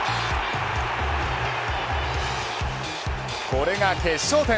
これが決勝点。